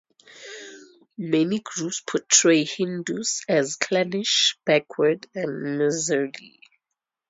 Many groups portray Hindus as "clannish, backward and miserly".